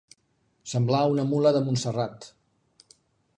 Semblar una mula de Montserrat.